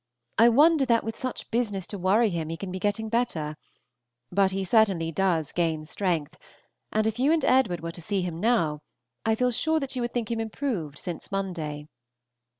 I wonder that with such business to worry him he can be getting better; but he certainly does gain strength, and if you and Edwd. were to see him now, I feel sure that you would think him improved since Monday.